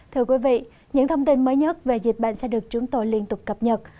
thưa quý vị những thông tin mới nhất về dịch bệnh sẽ được chúng tôi liên tục cập nhật